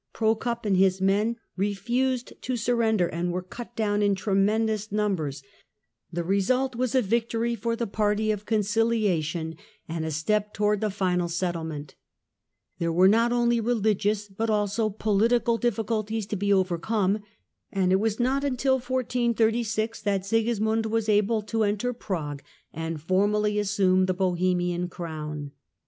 Prokop and his men refused to surrender and were cut down in tremendous numbers ; the result was a victory EMPIRE AND PAPACY, 1414 1453 173 for the party of conciliation, and a step towards the final settlement. There were not only religious but also political difficulties to be overcome, and it was not until 1436 that Sigismund was able to enter Prague Sigismund and formally assume the Bohemian crown.